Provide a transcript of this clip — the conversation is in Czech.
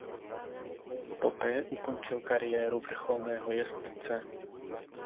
Poté ukončil kariéru vrcholného jezdce.